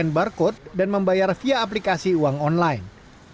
pengguna parkir menggunakan kode dan membayar via aplikasi uang online